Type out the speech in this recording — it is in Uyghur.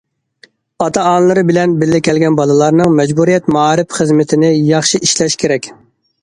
ئاتا- ئانىلىرى بىلەن بىللە كەلگەن بالىلارنىڭ مەجبۇرىيەت مائارىپ خىزمىتىنى ياخشى ئىشلەش كېرەك.